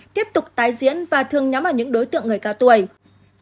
tiếp tục tái diễn và thương nhóm vào những đối tượng người cao tuổi